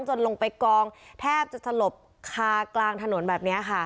ลงไปกองแทบจะสลบคากลางถนนแบบนี้ค่ะ